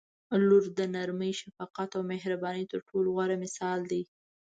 • لور د نرمۍ، شفقت او مهربانۍ تر ټولو غوره مثال دی.